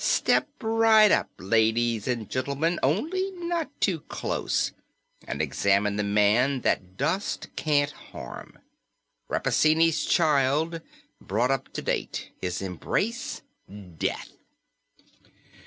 Step right up, ladies and gentlemen only not too close! and examine the man the dust can't harm. Rappaccini's child, brought up to date; his embrace, death!